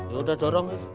yaudah dorong ya